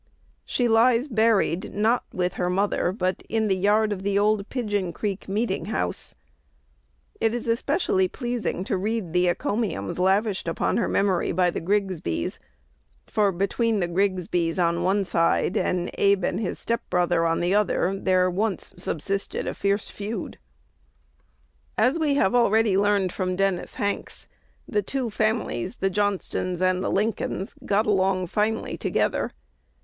She lies buried, not with her mother, but in the yard of the old Pigeon Creek meeting house. It is especially pleasing to read the encomiums lavished upon her memory by the Grigsbys; for between the Grigsbys on one side, and Abe and his step brother on the other, there once subsisted a fierce feud. [Illustration: Dennis Hanks 070] As we have already learned from Dennis Hanks, the two families the Johnstons and the Lincolns "got along finely together."